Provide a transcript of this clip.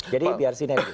jadi biar sinergis